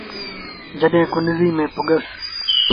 جڏهيݩ ڪنريٚ ميݩ پُڳس ۔